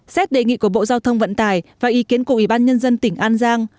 xét đề nghị của bộ giao thông vận tải và ý kiến của ủy ban nhân dân tỉnh an giang